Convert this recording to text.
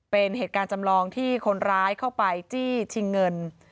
เป็นเหตุการณ์จำลองที่คนร้ายเข้าไปจี้ชิงเงิน